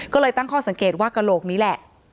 ก็เลยตั้งข้อสังเกตว่ากระโหลกนี้แหละ